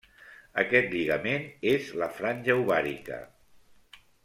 Aquest lligament és la franja ovàrica.